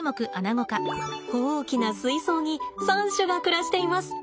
大きな水槽に３種が暮らしています。